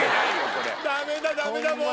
これダメだダメだもう。